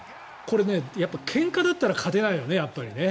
これ、けんかだったら勝てないよね、やっぱり。